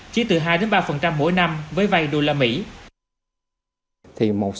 chỉ từ hai ba mỗi năm với vay đô la mỹ